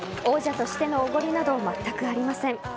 王者としてのおごりなどまったくありません。